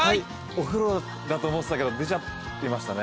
お風呂だと思ってたけど出ちゃいましたね。